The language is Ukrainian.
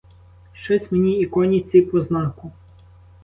Щось мені і коні ці по знаку.